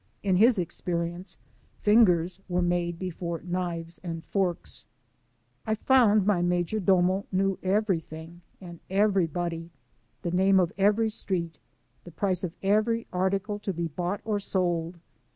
In his experience fingers were made before knives and forks, I found my major domo knew everything and everybody; the name of every street, the price of every article to be bought or sold.